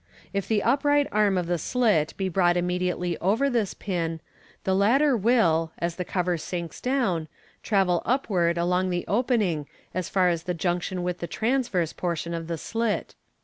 If the upright arm of the slit be brought immediately over this pin, the latter will, as the cover sinks down, travel upward along the opening as far as the junction with the transverse portion of the slit.